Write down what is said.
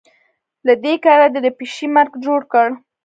له دې کاره دې د پيشي مرګ جوړ کړ.